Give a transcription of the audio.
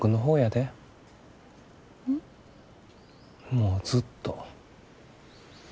もうずっと。